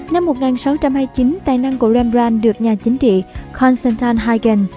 năm một nghìn sáu trăm hai mươi chín tài năng của rembrandt được nhà chính trị constantin hagen